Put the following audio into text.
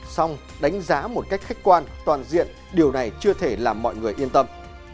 xong đánh giá một cách khách quan toàn diện điều này chưa thể làm mọi người yên tâm